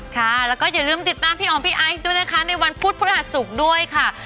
ค่ะแล้วก็อย่าลืมติดตามพี่อ๋อมพี่ไอซ์ด้วยนะคะในวันพุธพฤหัสศุกร์ด้วยค่ะ